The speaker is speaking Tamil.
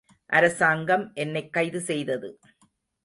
அரசாங்கம் என்னைக் கைது செய்தது.